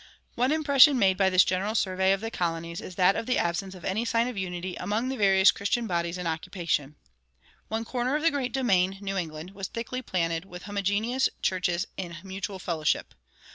One impression made by this general survey of the colonies is that of the absence of any sign of unity among the various Christian bodies in occupation. One corner of the great domain, New England, was thickly planted with homogeneous churches in mutual fellowship.